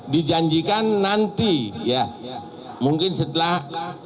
dijanjikan nanti ya mungkin setelah dua ratus dua belas